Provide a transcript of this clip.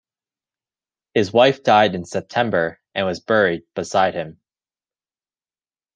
His wife died in September and was buried beside him.